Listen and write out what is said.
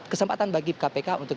kesempatan bagi kpk untuk